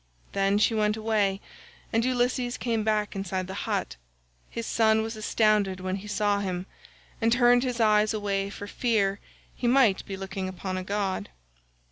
Then she went away and Ulysses came back inside the hut. His son was astounded when he saw him, and turned his eyes away for fear he might be looking upon a god.